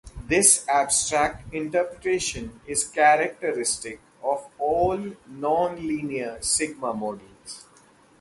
This abstract interpretation is characteristic of all non-linear sigma models.